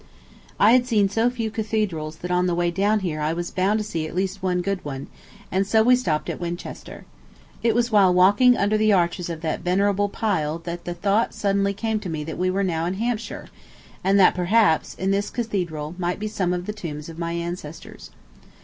I had seen so few cathedrals that on the way down here I was bound to see at least one good one, and so we stopped at Winchester. It was while walking under the arches of that venerable pile that the thought suddenly came to me that we were now in Hampshire, and that, perhaps, in this cathedral might be some of the tombs of my ancestors.